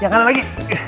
yang kalah lagi